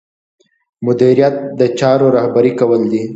مدیریت د چارو رهبري کول دي.